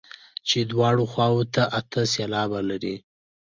چې دواړو خواوو ته اته سېلابه لري.